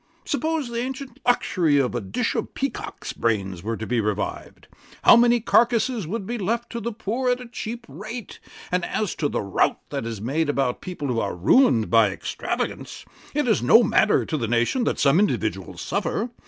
Suppose the ancient luxury of a dish of peacock's brains were to be revived, how many carcases would be left to the poor at a cheap rate: and as to the rout that is made about people who are ruined by extravagance, it is no matter to the nation that some individuals suffer.